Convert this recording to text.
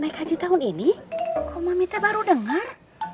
naik haji tahun ini kok mami baru dengar